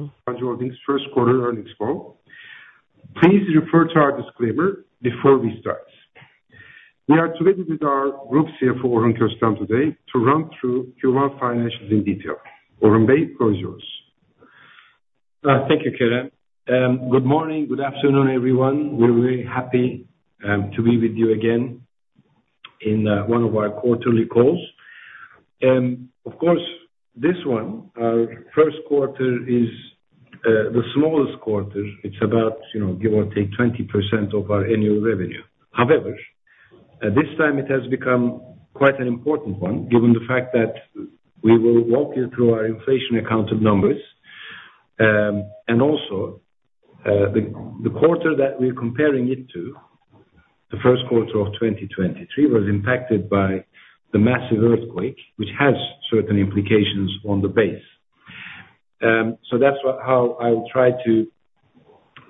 Sabancı Holding's first quarter earnings call. Please refer to our disclaimer before we start. We are today with our Group CFO, Orhun Köstem, to run through Q1 financials in detail. Orhun Bey, the floor is yours. Thank you, Kerem. Good morning, good afternoon, everyone. We're very happy to be with you again in one of our quarterly calls. Of course, this one, our first quarter is the smallest quarter. It's about, you know, give or take, 20% of our annual revenue. However, at this time, it has become quite an important one, given the fact that we will walk you through our inflation-accounted numbers. And also, the quarter that we're comparing it to, the first quarter of 2023, was impacted by the massive earthquake, which has certain implications on the base. So that's how I will try to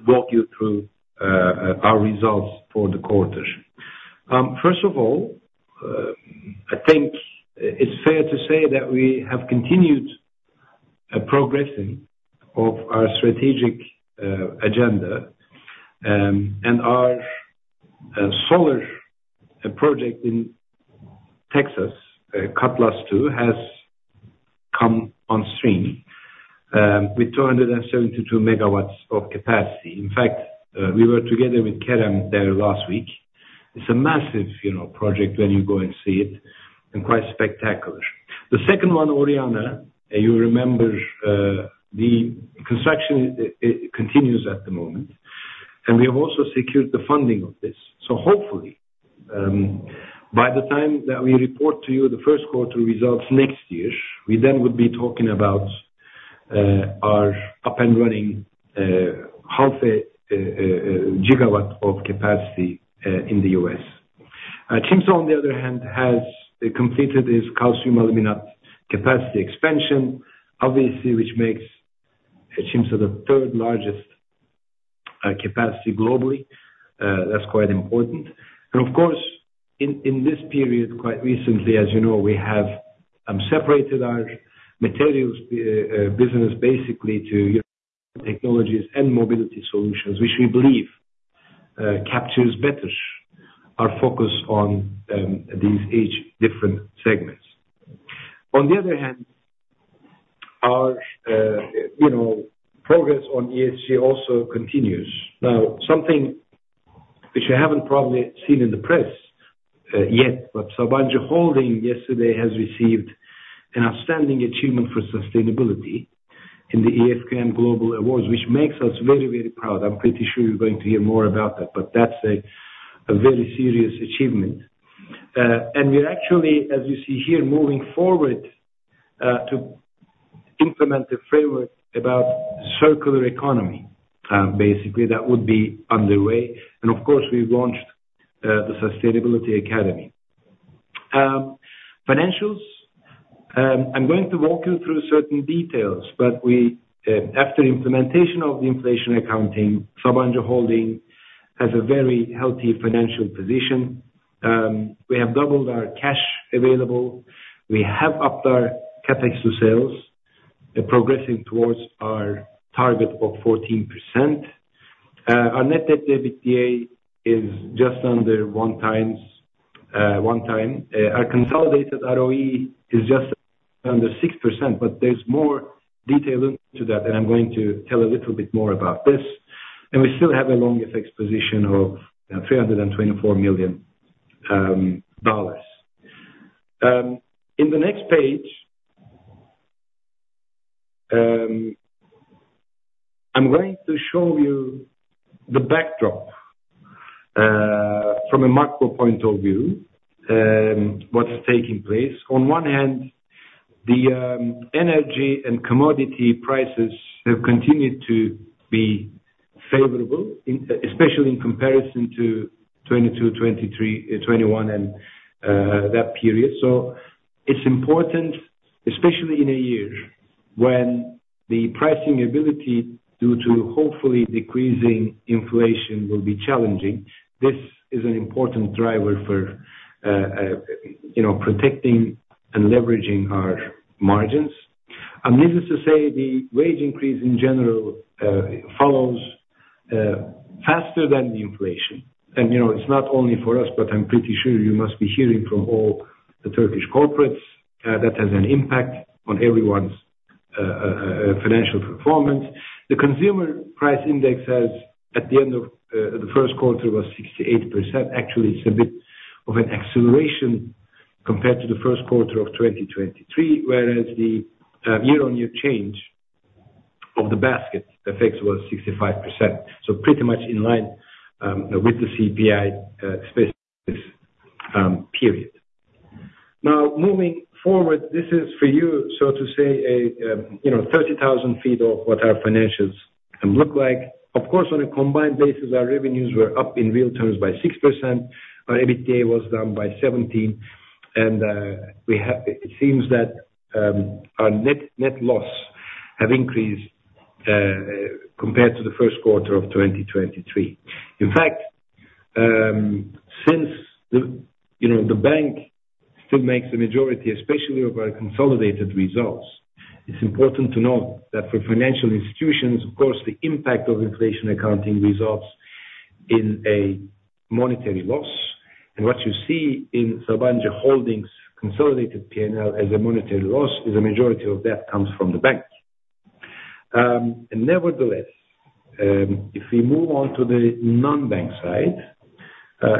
walk you through our results for the quarter. First of all, I think it's fair to say that we have continued progressing of our strategic agenda. And our solar project in Texas, Cutlass II, has come on stream with 272 MW of capacity. In fact, we were together with Kerem there last week. It's a massive, you know, project when you go and see it, and quite spectacular. The second one, Oriana, you remember, the construction continues at the moment, and we have also secured the funding of this. So hopefully, by the time that we report to you the first quarter results next year, we then would be talking about our up-and-running 0.5 GW of capacity in the U.S.. Çimsa, on the other hand, has completed its calcium aluminate capacity expansion, obviously, which makes Çimsa the third largest capacity globally. That's quite important. Of course, in this period, quite recently, as you know, we have separated our materials business, basically, to technologies and mobility solutions, which we believe captures better our focus on these each different segments. On the other hand, our you know, progress on ESG also continues. Now, something which you haven't probably seen in the press yet, but Sabancı Holding yesterday has received an outstanding achievement for sustainability in the EFQM Global Awards, which makes us very, very proud. I'm pretty sure you're going to hear more about that, but that's a very serious achievement. And we're actually, as you see here, moving forward to implement a framework about circular economy, basically, that would be underway. And of course, we've launched the Sustainability Academy. Financials, I'm going to walk you through certain details, but we, after implementation of the inflation accounting, Sabancı Holding has a very healthy financial position. We have doubled our cash available. We have upped our CapEx to sales, progressing towards our target of 14%. Our net debt to EBITDA is just under 1x. Our consolidated ROE is just under 6%, but there's more detail into that, and I'm going to tell a little bit more about this. We still have a long FX position of $324 million. In the next page, I'm going to show you the backdrop, from a macro point of view, what is taking place. On one hand, the energy and commodity prices have continued to be favorable, especially in comparison to 2022, 2023, 2021, and that period. So it's important, especially in a year when the pricing ability due to hopefully decreasing inflation will be challenging. This is an important driver for, you know, protecting and leveraging our margins. And this is to say, the wage increase in general follows faster than the inflation. And, you know, it's not only for us, but I'm pretty sure you must be hearing from all the Turkish corporates that has an impact on everyone's financial performance. The Consumer Price Index as at the end of the first quarter was 68%. Actually, it's a bit of an acceleration compared to the first quarter of 2023, whereas the year-on-year change of the basket effects was 65%. So pretty much in line with the CPI-based period. Now, moving forward, this is for you, so to say, a you know, 30,000 ft of what our financials look like. Of course, on a combined basis, our revenues were up in real terms by 6%. Our EBITDA was down by 17%, and it seems that our net loss have increased compared to the first quarter of 2023. In fact, since you know, the bank still makes the majority, especially of our consolidated results, it's important to note that for financial institutions, of course, the impact of inflation accounting results in a monetary loss. What you see in Sabancı Holding's consolidated P&L as a monetary loss, a majority of that comes from the bank. Nevertheless, if we move on to the non-bank side,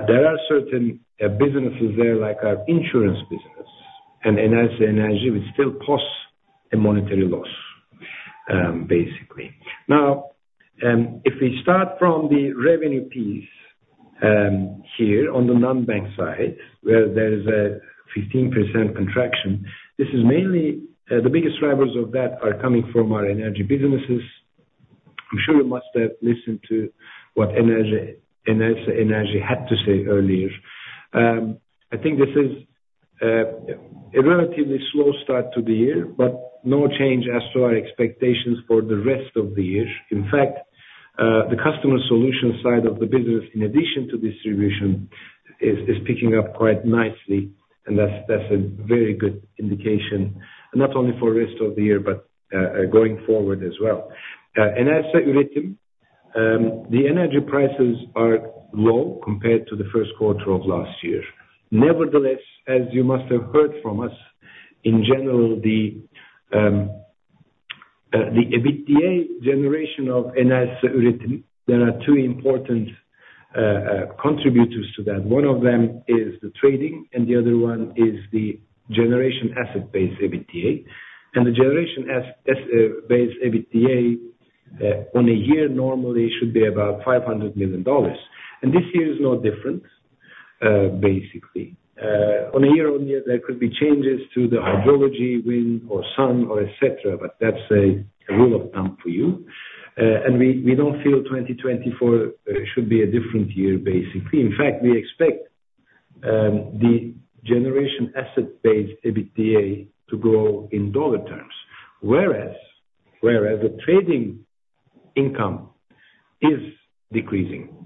there are certain businesses there, like our insurance business, and Enerjisa Enerji, which still costs a monetary loss, basically. Now, if we start from the revenue piece, here on the non-bank side, where there is a 15% contraction, this is mainly, the biggest drivers of that are coming from our energy businesses. I'm sure you must have listened to what Enerjisa Enerji had to say earlier. I think this is a relatively slow start to the year, but no change as to our expectations for the rest of the year. In fact, the customer solution side of the business, in addition to distribution, is picking up quite nicely, and that's a very good indication, not only for the rest of the year, but going forward as well. And as a result, the energy prices are low compared to the first quarter of last year. Nevertheless, as you must have heard from us, in general, the EBITDA generation of Enerjisa Üretim, there are two important contributors to that. One of them is the trading, and the other one is the generation asset-based EBITDA. And the generation asset-based EBITDA, on a year, normally should be about $500 million. And this year is no different, basically. On a year-on-year, there could be changes to the hydrology, wind or sun or et cetera, but that's a rule of thumb for you. We don't feel 2024 should be a different year, basically. In fact, we expect the generation asset-based EBITDA to grow in dollar terms, whereas the trading income is decreasing.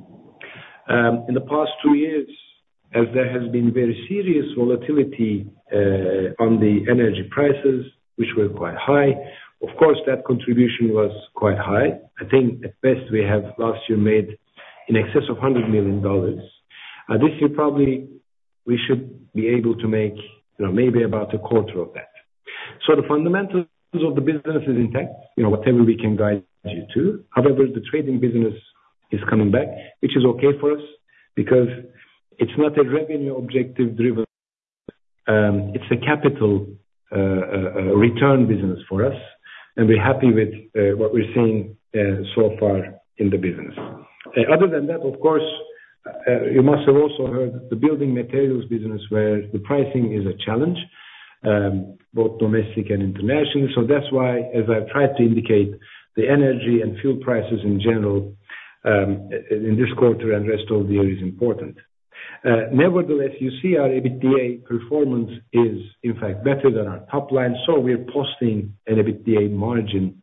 In the past two years, as there has been very serious volatility on the energy prices, which were quite high, of course, that contribution was quite high. I think at best, we have last year made in excess of $100 million. This year probably, we should be able to make, you know, maybe about a quarter of that. So the fundamentals of the business is intact, you know, whatever we can guide you to. However, the trading business is coming back, which is okay for us, because it's not a revenue objective driven, it's a capital return business for us, and we're happy with what we're seeing so far in the business. Other than that, of course, you must have also heard the building materials business, where the pricing is a challenge both domestic and internationally. So that's why, as I've tried to indicate, the energy and fuel prices in general in this quarter and rest of the year is important. Nevertheless, you see our EBITDA performance is, in fact, better than our top line, so we're posting an EBITDA margin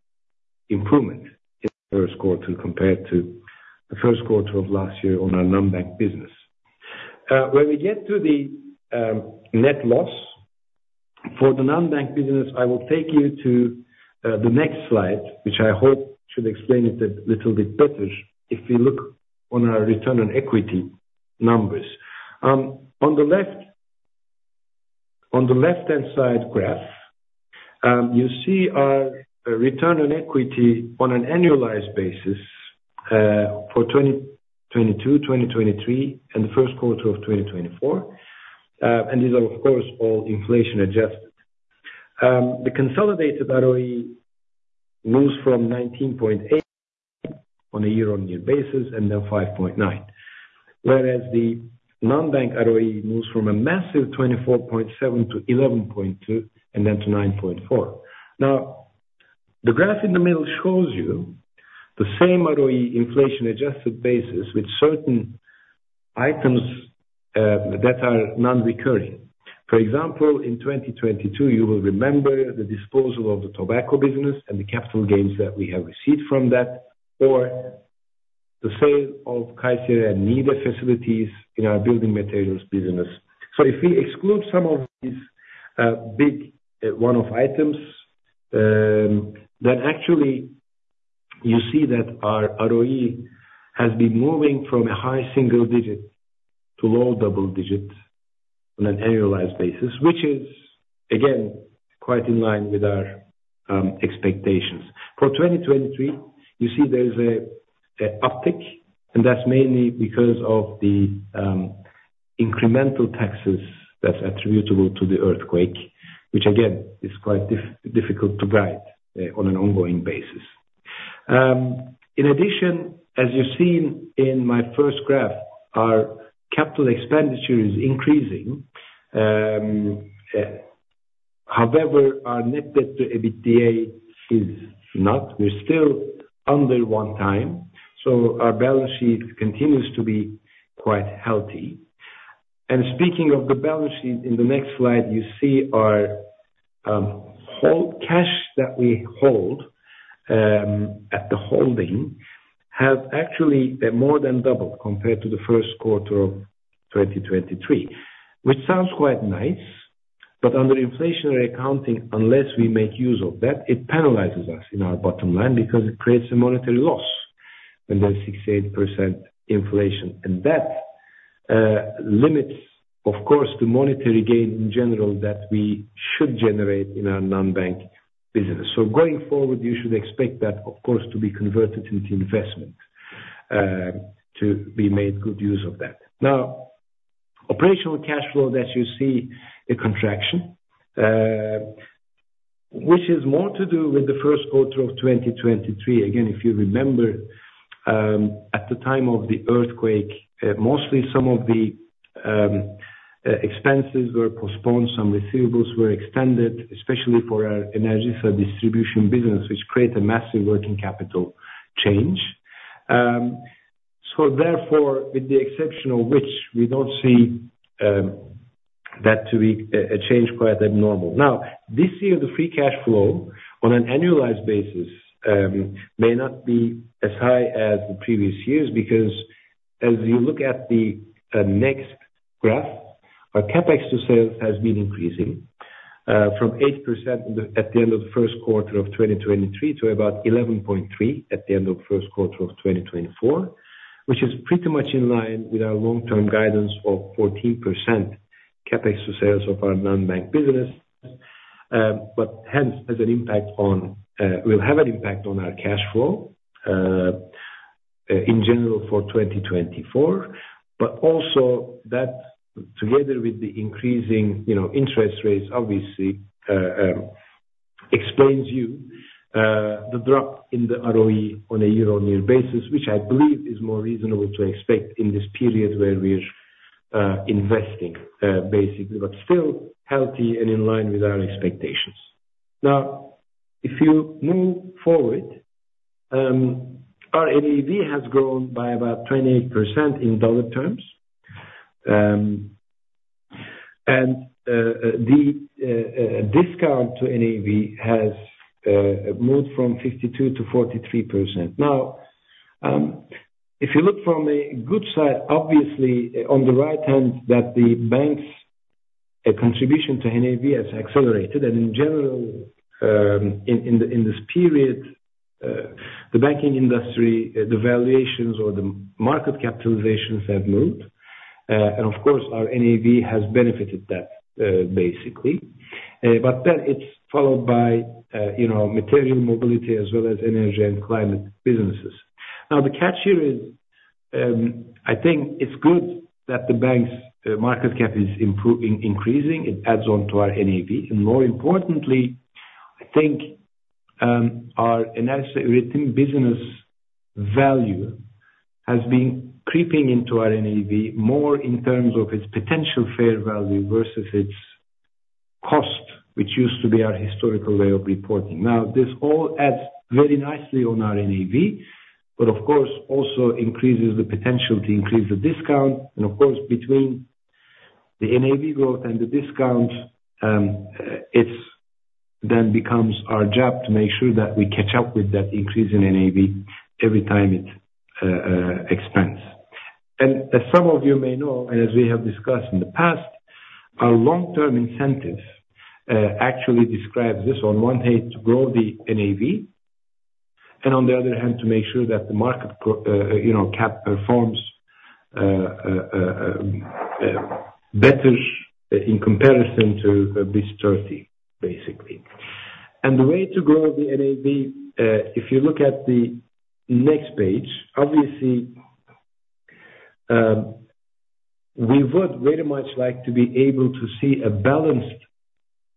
improvement in the first quarter compared to the first quarter of last year on our non-bank business. When we get to the net loss for the non-bank business, I will take you to the next slide, which I hope should explain it a little bit better, if you look on our return on equity numbers. On the left, on the left-hand side graph, you see our return on equity on an annualized basis for 2022, 2023, and the first quarter of 2024. And these are, of course, all inflation adjusted. The consolidated ROE moves from 19.8% on a year-on-year basis, and then 5.9%. Whereas the non-bank ROE moves from a massive 24.7% to 11.2%, and then to 9.4%. Now, the graph in the middle shows you the same ROE inflation-adjusted basis with certain items that are non-recurring. For example, in 2022, you will remember the disposal of the tobacco business and the capital gains that we have received from that, or the sale of Kayseri and Niğde facilities in our building materials business. So if we exclude some of these, big, one-off items, then actually, you see that our ROE has been moving from a high single digit to low double digit on an annualized basis, which is, again, quite in line with our, expectations. For 2023, you see there is an uptick, and that's mainly because of the, incremental taxes that's attributable to the earthquake, which again, is quite difficult to guide, on an ongoing basis. In addition, as you've seen in my first graph, our capital expenditure is increasing. However, our net debt to EBITDA is not. We're still under one time, so our balance sheet continues to be quite healthy. And speaking of the balance sheet, in the next slide, you see our cash that we hold at the holding have actually more than doubled compared to the first quarter of 2023. Which sounds quite nice, but under inflationary accounting, unless we make use of that, it penalizes us in our bottom line because it creates a monetary loss when there's 68% inflation. And that limits, of course, the monetary gain in general that we should generate in our non-bank business. So going forward, you should expect that, of course, to be converted into investment to be made good use of that. Now, operational cash flow that you see a contraction, which is more to do with the first quarter of 2023. Again, if you remember, at the time of the earthquake, mostly some of the expenses were postponed, some receivables were extended, especially for our Enerjisa distribution business, which created a massive working capital change. So therefore, with the exception of which we don't see that to be a change quite abnormal. Now, this year, the free cash flow on an annualized basis may not be as high as the previous years, because as you look at the next graph, our CapEx to sales has been increasing from 8% at the end of the first quarter of 2023, to about 11.3% at the end of first quarter of 2024. Which is pretty much in line with our long-term guidance of 14% CapEx to sales of our non-bank business. But hence has an impact on will have an impact on our cash flow in general for 2024. But also that, together with the increasing, you know, interest rates, obviously, explains you the drop in the ROE on a year-on-year basis, which I believe is more reasonable to expect in this period where we're investing basically, but still healthy and in line with our expectations. Now, if you move forward, our NAV has grown by about 28% in dollar terms. And the discount to NAV has moved from 52% to 43%. Now, if you look from a good side, obviously, on the right hand, that the bank's contribution to NAV has accelerated. In general, in this period, the banking industry, the valuations or the market capitalizations have moved. And of course, our NAV has benefited that, basically. But then it's followed by, you know, materials, mobility as well as energy and climate businesses. Now, the catch here is, I think it's good that the bank's market cap is increasing. It adds on to our NAV. And more importantly, I think, our insurance business value has been creeping into our NAV more in terms of its potential fair value versus its cost, which used to be our historical way of reporting. Now, this all adds very nicely on our NAV, but of course, also increases the potential to increase the discount. Of course, between the NAV growth and the discount, it's then becomes our job to make sure that we catch up with that increase in NAV every time it expands. And as some of you may know, and as we have discussed in the past, our long-term incentives actually describes this on one hand, to grow the NAV, and on the other hand, to make sure that the market cap performs, you know, better in comparison to BIST 30, basically. And the way to grow the NAV, if you look at the next page, obviously, we would very much like to be able to see a balanced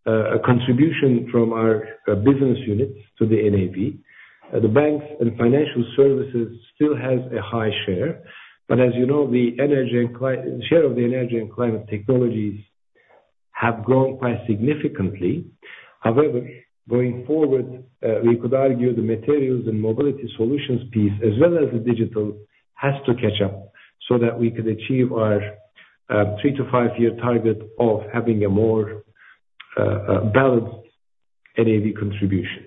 contribution from our business units to the NAV. The banks and financial services still has a high share, but as you know, the share of the energy and climate technologies have grown quite significantly. However, going forward, we could argue the materials and mobility solutions piece, as well as the digital, has to catch up so that we could achieve our three to five year target of having a more balanced NAV contribution.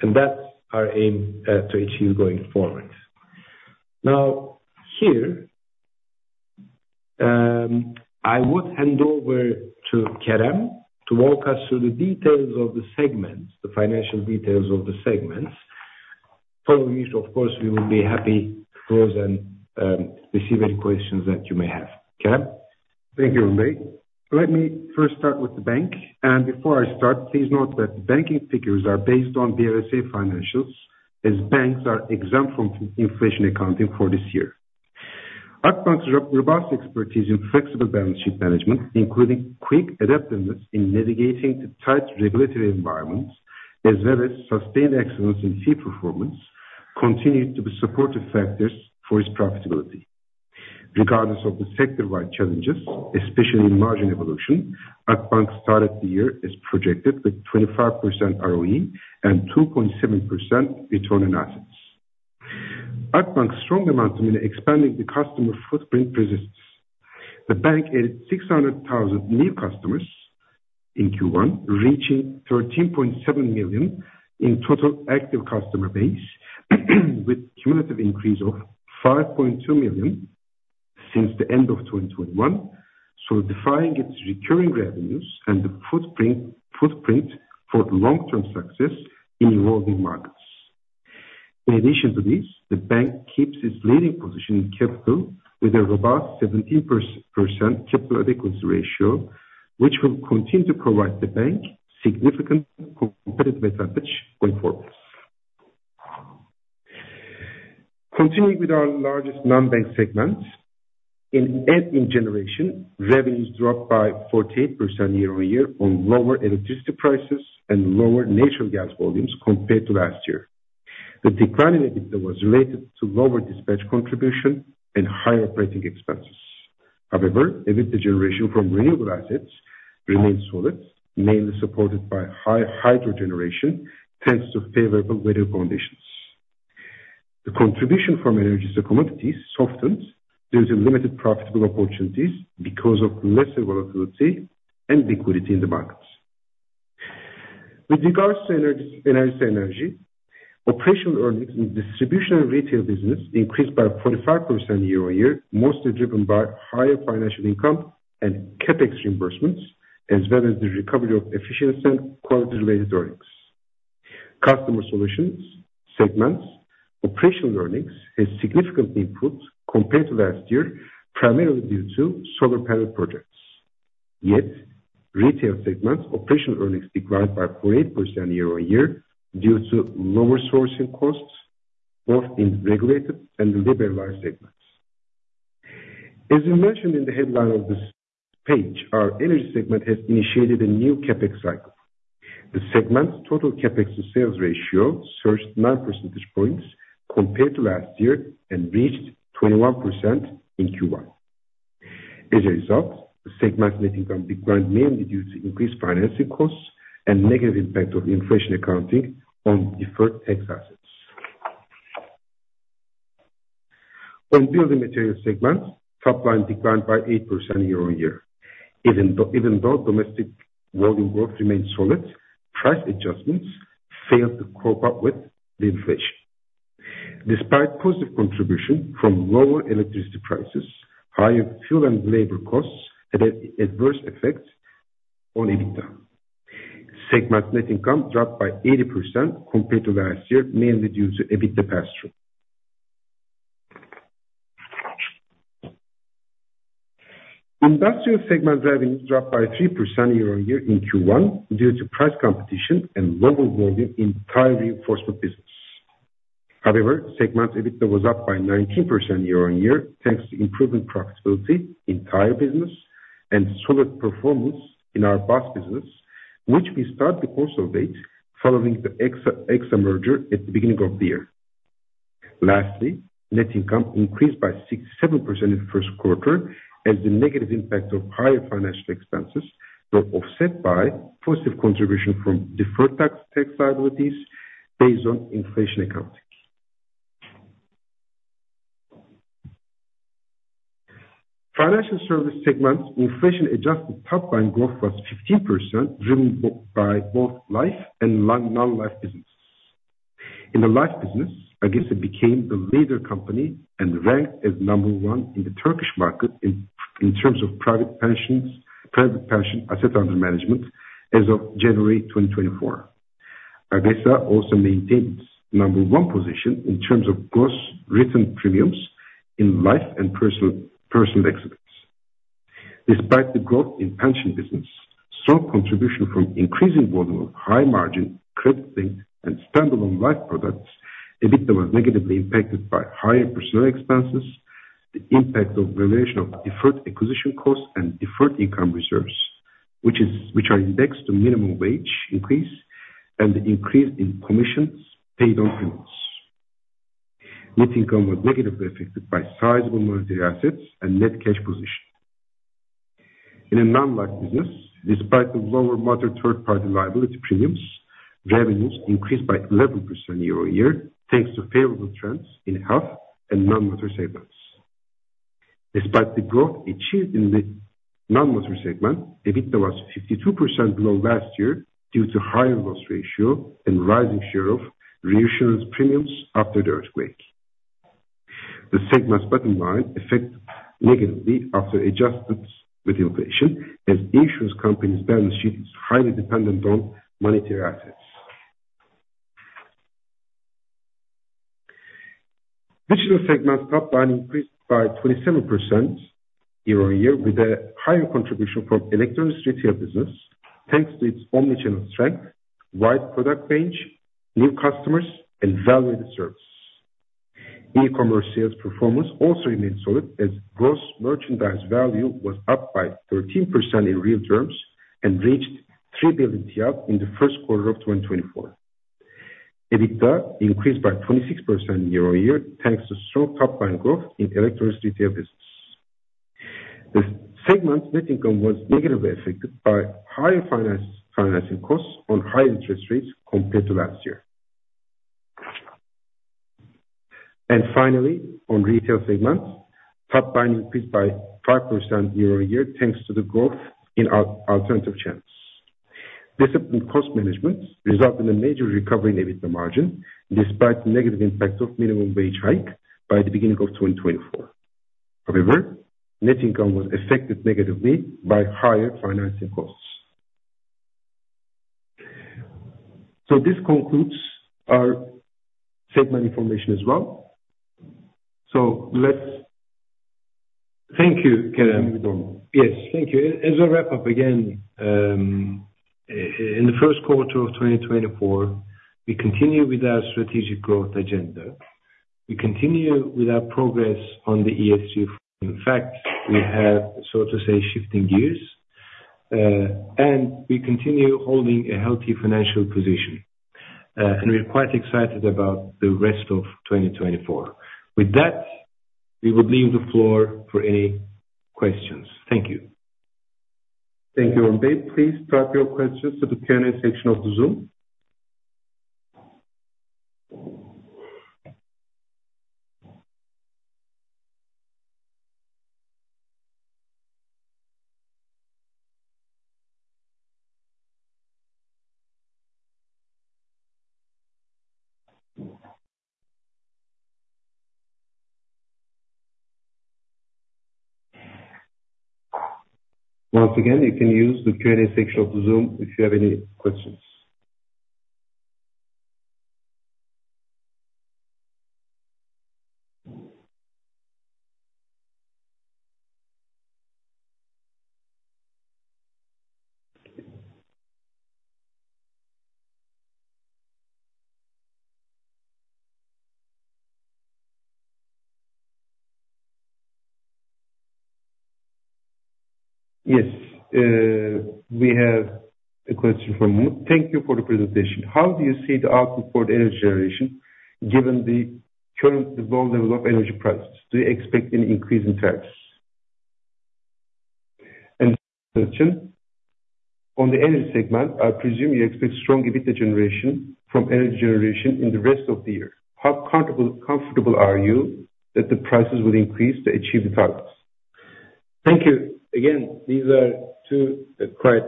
And that's our aim to achieve going forward. Now, here, I would hand over to Kerem to walk us through the details of the segments, the financial details of the segments. Following which, of course, we will be happy to answer, receive any questions that you may have. Kerem? Thank you, Orhun Bey. Please drop your questions to the Q&A section of the Zoom. Once again, you can use the Q&A section. Let me first start with the bank. Before I start, please note that banking figures are based on BRSA financials, as banks are exempt from inflation accounting for this year. Akbank's robust expertise in flexible balance sheet management, including quick adaptiveness in mitigating the tight regulatory environment, as well as sustained excellence in fee performance, continued to be supportive factors for its profitability. Regardless of the sector-wide challenges, especially in margin evolution, Akbank started the year as projected, with 25% ROE and 2.7% return on assets. Akbank's strong momentum in expanding the customer footprint persists. The bank added 600,000 new customers in Q1, reaching 13.7 million in total active customer base, with cumulative increase of 5.2 million since the end of 2021. So defining its recurring revenues and the footprint, footprint for the long-term success in evolving markets. In addition to this, the bank keeps its leading position in capital with a robust 17% capital adequacy ratio, which will continue to provide the bank significant competitive advantage going forward. Continuing with our largest non-bank segment, in Enerjisa Üretim, revenues dropped by 48% year-on-year on lower electricity prices and lower natural gas volumes compared to last year. The decline in EBITDA was related to lower dispatch contribution and higher operating expenses. However, EBITDA generation from renewable assets remained solid, mainly supported by high hydro generation, thanks to favorable weather conditions. The contribution from Enerjisa Commodities softened due to limited profitable opportunities because of lesser volatility and liquidity in the markets. With regards to Enerjisa Enerji, operational earnings in distribution and retail business increased by 45% year-on-year, mostly driven by higher financial income and CapEx reimbursements, as well as the recovery of efficiency and quality-related earnings. Customer solutions segments, operational earnings has significantly improved compared to last year, primarily due to solar panel projects. Yet, retail segment operational earnings declined by 0.8% year-on-year due to lower sourcing costs, both in regulated and liberalized segments. As we mentioned in the headline of this page, our energy segment has initiated a new CapEx cycle. The segment's total CapEx to sales ratio surged nine percentage points compared to last year and reached 21% in Q1. As a result, the segment's net income declined, mainly due to increased financing costs and negative impact of inflation accounting on deferred tax assets. On building materials segment, top line declined by 8% year-on-year. Even though domestic volume growth remained solid, price adjustments failed to cope up with the inflation. Despite positive contribution from lower electricity prices, higher fuel and labor costs had an adverse effect on EBITDA. Segment net income dropped by 80% compared to last year, mainly due to EBITDA pass-through. Industrial segment revenues dropped by 3% year-on-year in Q1 due to price competition and lower volume in tire reinforcement business. However, segment EBITDA was up by 19% year-on-year, thanks to improving profitability in tire business and solid performance in our bus business, which we start to consolidate following the Exsa merger at the beginning of the year. Lastly, net income increased by 6%-7% in the first quarter, as the negative impact of higher financial expenses were offset by positive contribution from deferred tax, tax liabilities based on inflation accounting. Financial service segment, inflation-adjusted top-line growth was 15%, driven by both life and non-life business. In the life business, AgeSA became the leader company and ranked as number one in the Turkish market in terms of private pension assets under management as of January 2024. AgeSA also maintains number one position in terms of gross written premiums in life and personal accidents. Despite the growth in pension business, strong contribution from increasing volume of high margin crediting and standalone life products, EBITDA was negatively impacted by higher personnel expenses, the impact of valuation of deferred acquisition costs and deferred income reserves, which are indexed to minimum wage increase, and the increase in commissions paid on premiums. Net income was negatively affected by sizable monetary assets and net cash position. In a non-life business, despite the lower motor third party liability premiums, revenues increased by 11% year-on-year, thanks to favorable trends in health and non-motor segments. Despite the growth achieved in the non-motor segment, EBITDA was 52% below last year due to higher loss ratio and rising share of reinsurance premiums after the earthquake. The segment's bottom line affected negatively after adjustments with inflation, as insurance companies' balance sheet is highly dependent on monetary assets. Digital segment top line increased by 27% year-on-year, with a higher contribution from electronics retail business, thanks to its omni-channel strength, wide product range, new customers and value-added service. E-commerce sales performance also remained solid, as gross merchandise value was up by 13% in real terms and reached 3 billion in the first quarter of 2024. EBITDA increased by 26% year-on-year, thanks to strong top line growth in electronics retail business.... The segment net income was negatively affected by higher finance, financing costs on high interest rates compared to last year. And finally, on retail segment, top line increased by 5% year-on-year, thanks to the growth in alternative channels. Disciplined cost management resulted in a major recovery in EBITDA margin, despite the negative impact of minimum wage hike by the beginning of 2024. However, net income was affected negatively by higher financing costs. So this concludes our segment information as well. So let's- Thank you, Kerem. Yes, thank you. As I wrap up again, in the first quarter of 2024, we continue with our strategic growth agenda. We continue with our progress on the ESG. In fact, we have, so to say, shifting gears, and we continue holding a healthy financial position. And we're quite excited about the rest of 2024. With that, we will leave the floor for any questions. Thank you. Thank you, Orhun Bey. Please drop your questions to the Q&A section of the Zoom. Once again, you can use the Q&A section of the Zoom if you have any questions. Yes, we have a question from Umut: Thank you for the presentation. How do you see the output for energy generation, given the current low level of energy prices? Do you expect any increase in tariffs? And second, on the energy segment, I presume you expect strong EBITDA generation from energy generation in the rest of the year. How comfortable, comfortable are you that the prices will increase to achieve the targets? Thank you. Again, these are two quite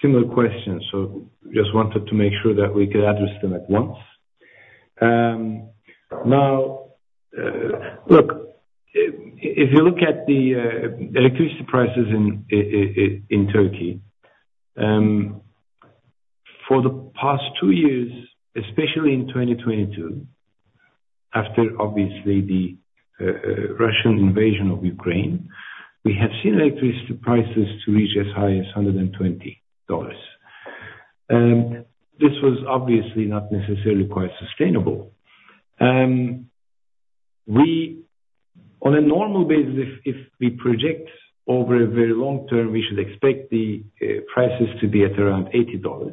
similar questions, so just wanted to make sure that we could address them at once. Now, if you look at the electricity prices in Turkey for the past two years, especially in 2022, after the Russian invasion of Ukraine, we have seen electricity prices reach as high as $120. This was obviously not necessarily quite sustainable. We, on a normal basis, if we project over a very long term, should expect the prices to be at around $80.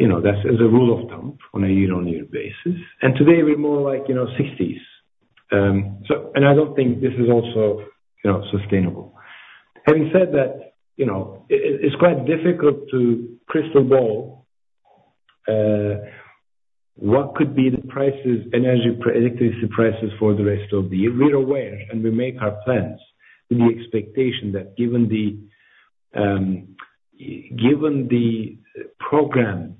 You know, that's as a rule of thumb on a year-on-year basis. And today we're more like, you know, $60. So I don't think this is also, you know, sustainable. Having said that, you know, it's quite difficult to crystal ball what could be the prices, energy prices, electricity prices for the rest of the year. We're aware, and we make our plans with the expectation that given the program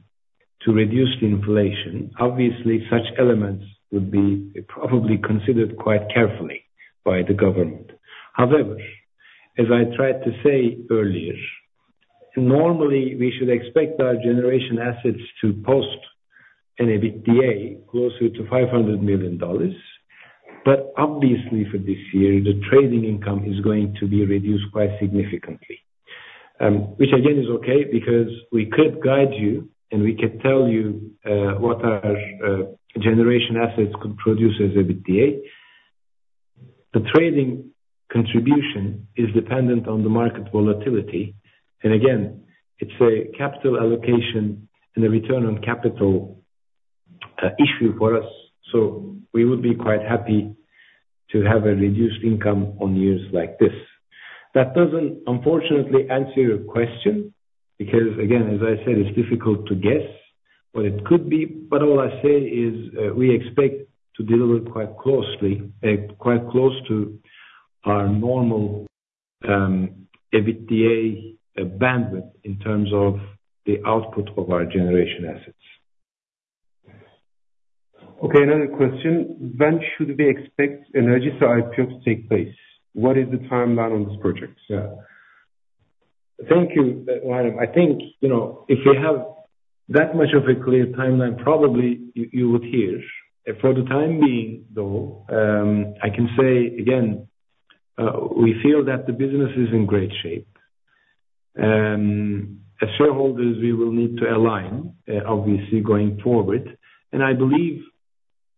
to reduce the inflation, obviously such elements would be probably considered quite carefully by the government. However, as I tried to say earlier, normally we should expect our generation assets to post an EBITDA closer to $500 million. But obviously, for this year, the trading income is going to be reduced quite significantly, which again is okay, because we could guide you, and we could tell you what our generation assets could produce as EBITDA. The trading contribution is dependent on the market volatility, and again, it's a capital allocation and a return on capital, issue for us, so we would be quite happy to have a reduced income on years like this. That doesn't unfortunately answer your question, because again, as I said, it's difficult to guess, but it could be. But all I say is, we expect to deliver quite closely, quite close to our normal, EBITDA bandwidth in terms of the output of our generation assets. Okay, another question: When should we expect Enerjisa IPO to take place? What is the timeline on this project? Yeah. Thank you, William. I think, you know, if we have that much of a clear timeline, probably you would hear. For the time being, though, I can say again, we feel that the business is in great shape. As shareholders, we will need to align, obviously going forward. And I believe,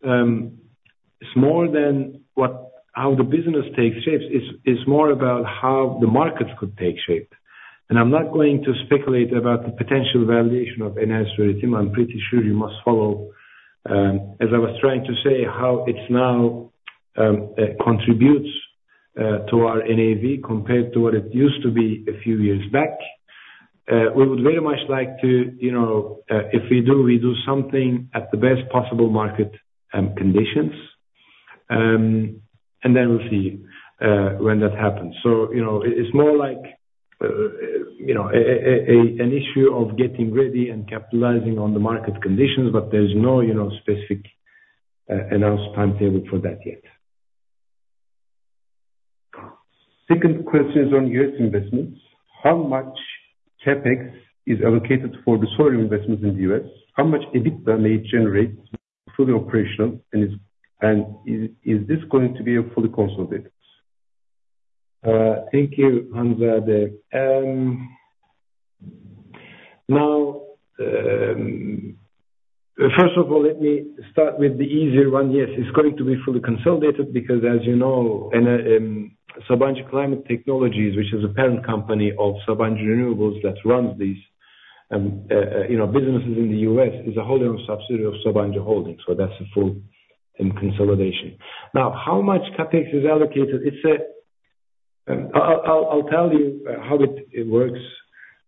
it's more than what how the business takes shape, it's, it's more about how the markets could take shape. And I'm not going to speculate about the potential valuation of Enerjisa Üretim. I'm pretty sure you must follow, as I was trying to say, how it's now contributes to our NAV compared to what it used to be a few years back. We would very much like to, you know, if we do, we do something at the best possible market conditions. And then we'll see when that happens. So, you know, it's more like, you know, an issue of getting ready and capitalizing on the market conditions, but there's no, you know, specific announced timetable for that yet. Second question is on U.S. investments. How much CapEx is allocated for the solar investments in the U.S.? How much EBITDA may it generate through the operation, and is this going to be a fully consolidated? Thank you, Hamza Bey. Now, first of all, let me start with the easier one. Yes, it's going to be fully consolidated because, as you know, in Sabancı Climate Technologies, which is a parent company of Sabancı Renewables that runs these, you know, businesses in the U.S., is a wholly owned subsidiary of Sabancı Holding, so that's full consolidation. Now, how much CapEx is allocated? It's a... I'll tell you how it works.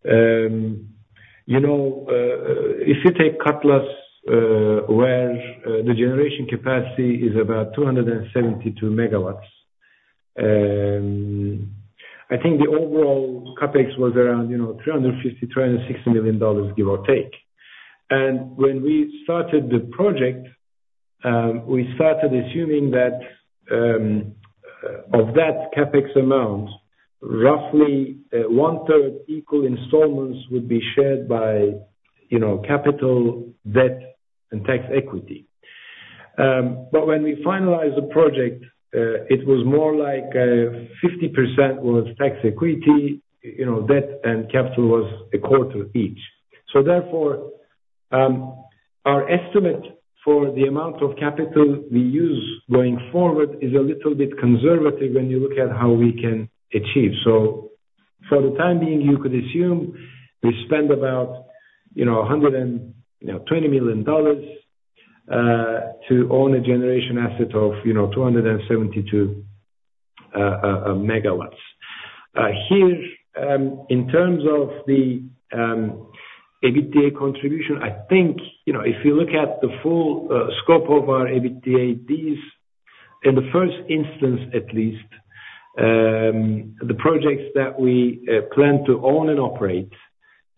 You know, if you take Cutlass, where the generation capacity is about 272 MW, I think the overall CapEx was around, you know, $350-$360 million give or take. When we started the project, we started assuming that, of that CapEx amount, roughly, 1/3 equal installments would be shared by, you know, capital, debt, and tax equity. But when we finalized the project, it was more like, 50% was tax equity, you know, debt and capital was 25% each. So therefore, our estimate for the amount of capital we use going forward is a little bit conservative when you look at how we can achieve. So for the time being, you could assume we spend about, you know, $120 million, to own a generation asset of, you know, 272 MW. Here, in terms of the EBITDA contribution, I think, you know, if you look at the full scope of our EBITDA, these, in the first instance, at least, the projects that we plan to own and operate,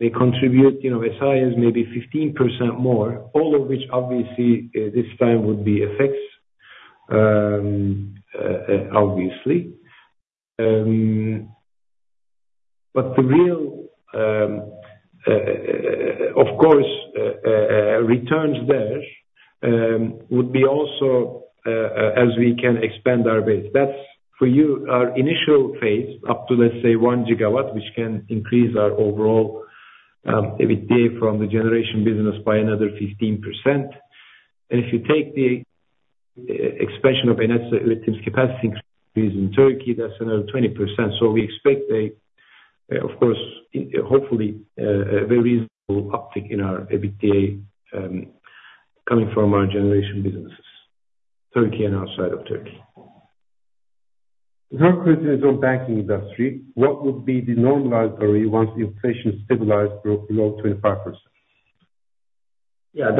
they contribute, you know, as high as maybe 15% more, all of which obviously, this time would be FX, obviously. But the real, of course, returns there, would be also, as we can expand our base. That's for you, our initial phase, up to, let's say, 1 GW, which can increase our overall EBITDA from the generation business by another 15%. And if you take the expansion of Enerjisa Üretim's capacity increase in Turkey, that's another 20%. We expect, of course, hopefully, a very reasonable uptick in our EBITDA coming from our generation businesses, Turkey and outside of Turkey. The third question is on banking industry. What would be the normalized ROE once the inflation stabilized below 25%? Yeah,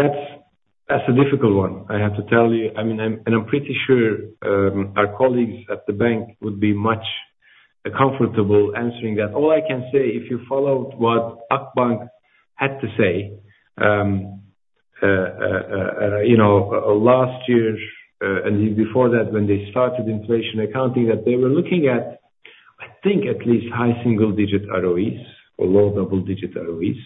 that's a difficult one, I have to tell you. I mean, and I'm pretty sure our colleagues at the bank would be much comfortable answering that. All I can say, if you followed what Akbank had to say, you know, last year and before that, when they started inflation accounting, that they were looking at, I think, at least high single digit ROEs or low double digit ROEs,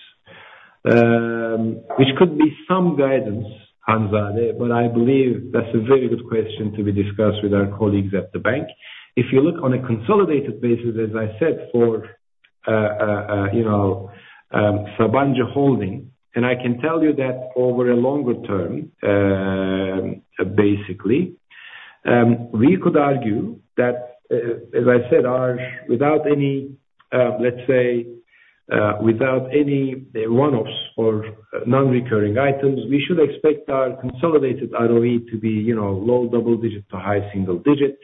which could be some guidance, Hamza Bey, but I believe that's a very good question to be discussed with our colleagues at the bank. If you look on a consolidated basis, as I said, for, you know, Sabancı Holding, and I can tell you that over a longer term, basically, we could argue that, as I said, our without any, let's say, without any one-offs or non-recurring items, we should expect our consolidated ROE to be, you know, low double digit to high single digit.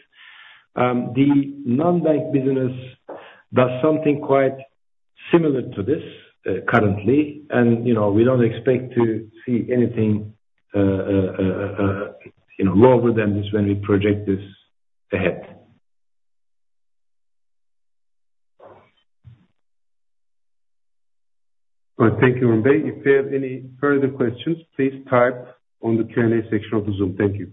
The non-bank business does something quite similar to this, currently, and, you know, we don't expect to see anything, you know, lower than this when we project this ahead. Thank you, Orhun Bey. If you have any further questions, please type on the Q&A section of the Zoom. Thank you.